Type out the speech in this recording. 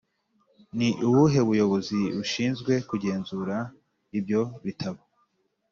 ni ubuhe bayobozi bushinzwe kugenzura ibyo bitabo